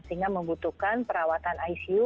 sehingga membutuhkan perawatan icu